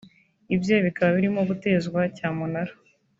ibye bikaba birimo gutezwa cyamunara